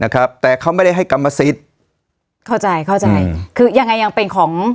นะครับแต่เขาไม่ได้ให้กรรมสิทธิ์เข้าใจเข้าใจคือยังไงยังเป็นของ